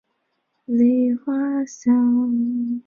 波斯尼亚的塞尔维亚共和国被洪水淹没至瘫痪程度。